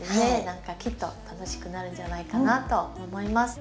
何かきっと楽しくなるんじゃないかなと思います。